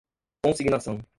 consignação